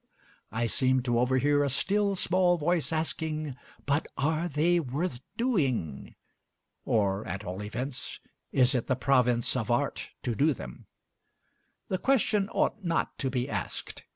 I seem to overhear a still, small voice asking, But are they worth doing? or at all events, is it the province of art to do them? The question ought not to be asked.